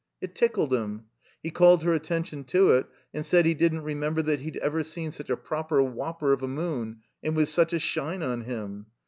It tickled him. He called her attention to it, and said he didn't remember that he'd ever seen such a proper whopper of a moon and with such a shine on him.